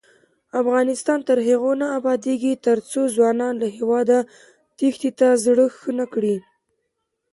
افغانستان تر هغو نه ابادیږي، ترڅو ځوانان له هیواده تېښتې ته زړه ښه نکړي.